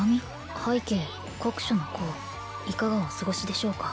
「拝啓酷暑の候いかがお過ごしでしょうか」